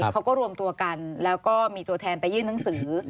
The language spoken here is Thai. เขาก็รวมตัวกันแล้วก็มีตัวแทนไปยื่นหนังสือ